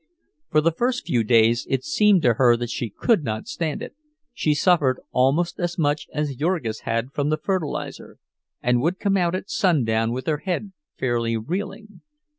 For the first few days it seemed to her that she could not stand it—she suffered almost as much as Jurgis had from the fertilizer, and would come out at sundown with her head fairly reeling.